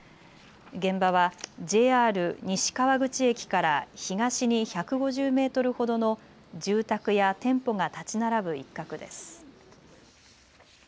現場はＪＲ西川口駅から東に１５０メートルほどの住宅や店舗が建ち並ぶ一角です。